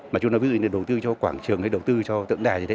mà chúng ta bây giờ đồ tư cho quảng trường hay đồ tư cho tượng đài gì đấy